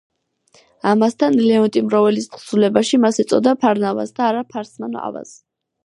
ამასთან ლეონტი მროველის თხზულებაში მას ეწოდება ფარნავაზ და არა ფარსმან-ავაზ.